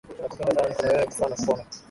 Nakupenda sana niko na wewe kufa na kupona